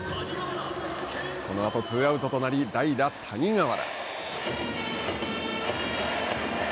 このあとツーアウトとなり代打、谷川原。